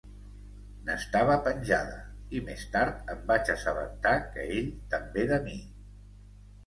N'estava penjada, i més tard em vaig assabentar que ell també de mi.